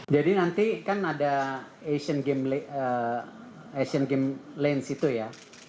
jadi nanti kan ada asian games lens itu ya